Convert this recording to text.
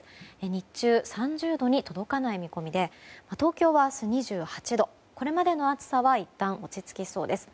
日中３０度に届かない見込みで東京は明日２８度これまでの暑さはいったん落ち着きそうです。